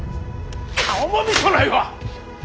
顔も見とうないわ！